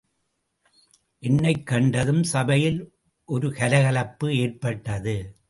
என்னைக் கண்டதும் சபையில் ஒரு கலகலப்பு ஏற்பட்டது.